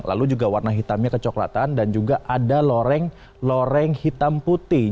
lalu juga warna hitamnya kecoklatan dan juga ada loreng loreng hitam putih